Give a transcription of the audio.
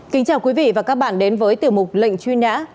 kính chào quý vị và các bạn đến với tiểu mục lệnh truy nã